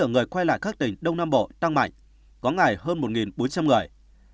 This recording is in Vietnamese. người quay lại các tỉnh đông nam bộ tăng mạnh có ngày hơn một bốn trăm linh người